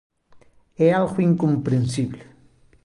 É algo incomprensible.